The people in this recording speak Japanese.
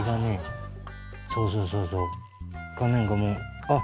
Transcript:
そうそうそうそう画面がもうあっ。